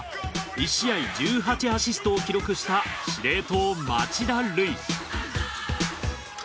１試合１８アシストを記録した司令塔町田瑠唯